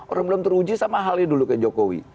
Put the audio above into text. orang belum teruji sama halnya dulu ke jokowi